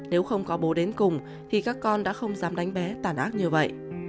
nếu không có bố đến cùng thì các con đã không dám đánh bé tàn ác như vậy